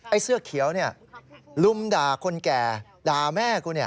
ไอ้เสื้อเขียวนี่ลุมด่าคนแก่ด่าแม่กูนี่